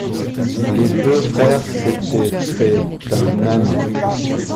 Les deux frères s’étaient fait un ami.